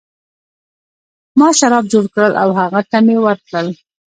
ما شراب جوړ کړل او هغه ته مې ورکړل.